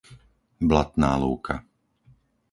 Blatná lúka